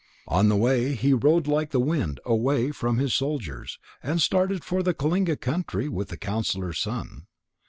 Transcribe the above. On the way he rode like the wind away from his soldiers, and started for the Kalinga country with the counsellor's son.